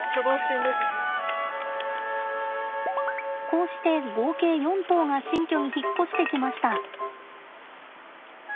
こうして合計４頭が新居に引っ越してきました。